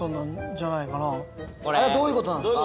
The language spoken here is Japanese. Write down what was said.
あれはどういうことなんすか？